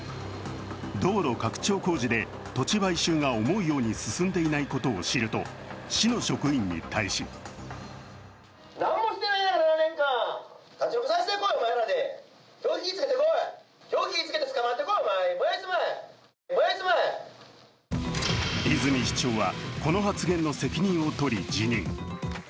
道路拡張工事で土地買収が思うように進んでいないことを知ると市の職員に対し泉市長は、この発言の責任を取り辞任。